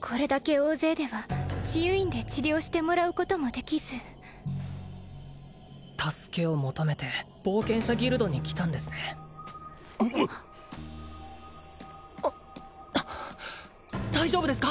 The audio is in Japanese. これだけ大勢では治癒院で治療してもらうこともできず助けを求めて冒険者ギルドに来たんですね大丈夫ですか？